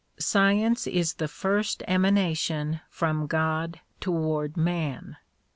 Science is the first emanation from God toward man.